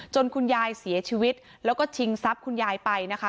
คุณยายเสียชีวิตแล้วก็ชิงทรัพย์คุณยายไปนะคะ